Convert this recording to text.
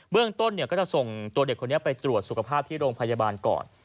เรื่องต้นก็จะส่งตัวเด็กคนนี้ไปตรวจสุขภาพที่โรงพยาบาลก่อน